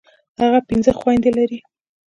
هغه پنځه خويندي لري.